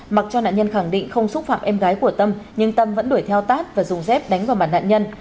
mặc cho nạn nhân khẳng định không xúc phạm em gái của tâm nhưng tâm vẫn đuổi theo tát và dùng dép đánh vào mặt nạn nhân